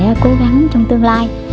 mình phải cố gắng trong tương lai